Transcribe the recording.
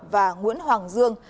và nguyễn hoàng dương